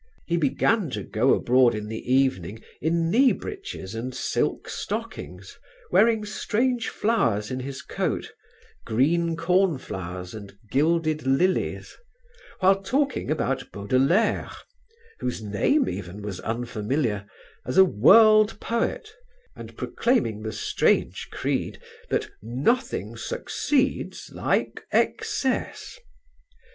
He began to go abroad in the evening in knee breeches and silk stockings wearing strange flowers in his coat green cornflowers and gilded lilies while talking about Baudelaire, whose name even was unfamiliar, as a world poet, and proclaiming the strange creed that "nothing succeeds like excess."